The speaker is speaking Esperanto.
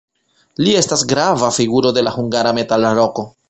Li estas grava figuro de la hungara metalroko.